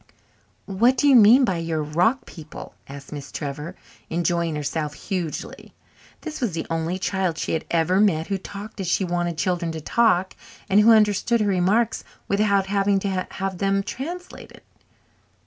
"What do you mean by your rock people?" asked Miss Trevor, enjoying herself hugely. This was the only child she had ever met who talked as she wanted children to talk and who understood her remarks without having to have them translated.